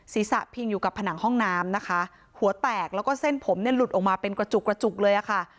ศีรษะพิงอยู่กับผนังห้องน้ำนะคะหัวแตกแล้วก็เส้นผมเนี่ยหลุดออกมาเป็นกระจุกกระจุกเลยอะค่ะ